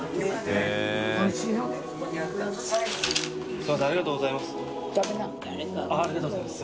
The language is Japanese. すみませんありがとうございます。